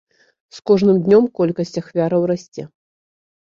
З кожным днём колькасць ахвяраў расце.